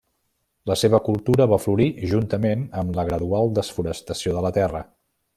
La seva cultura va florir, juntament amb la gradual desforestació de la terra.